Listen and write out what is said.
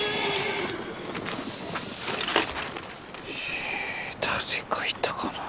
え誰かいたかなぁ。